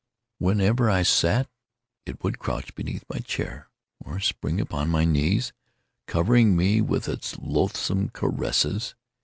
Whenever I sat, it would crouch beneath my chair, or spring upon my knees, covering me with its loathsome caresses.